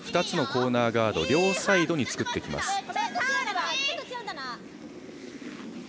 ２つのコーナーガードを両サイドに作ってきます。